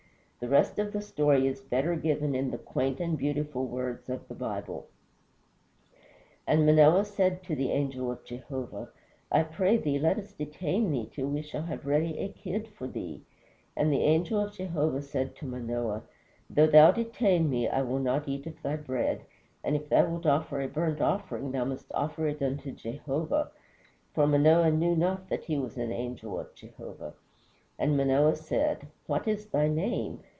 The rest of the story is better given in the quaint and beautiful words of the Bible: "And Manoah said to the angel of Jehovah, I pray thee let us detain thee till we shall have made ready a kid for thee. And the angel of Jehovah said to Manoah, Though thou detain me I will not eat of thy bread; and if thou wilt offer a burnt offering thou must offer it unto Jehovah. For Manoah knew not that he was an angel of Jehovah. And Manoah said, What is thy name?